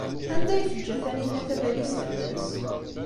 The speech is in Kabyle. Anda ay teǧǧa Taninna tabalizt-nnes?